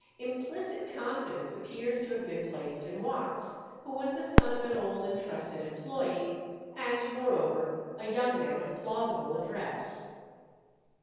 Implicit confidence appears to have been placed in Watts, who was the son of an old and trusted employé, and, moreover, a young man of plausible address.